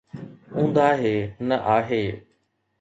اونداهي نه آهي.